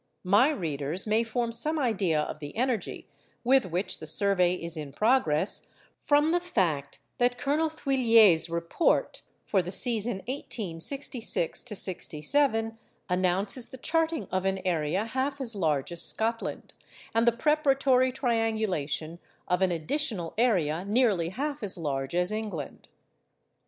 My readers may form some idea of the energy with which the survey is in progress, from the fact that Colonel Thuillier's Report for the season 1866 67 announces the charting of an area half as large as Scotland, and the preparatory triangulation of an additional area nearly half as large as England.